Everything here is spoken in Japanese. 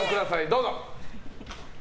どうぞ。